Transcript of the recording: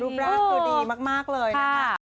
รูปร่างตัวดีมากเลยนะค่ะ